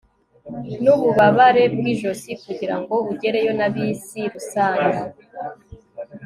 nububabare bwijosi kugirango ugereyo na bisi rusange